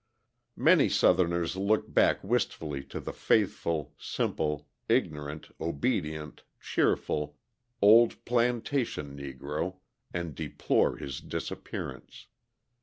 Many Southerners look back wistfully to the faithful, simple, ignorant, obedient, cheerful, old plantation Negro and deplore his disappearance.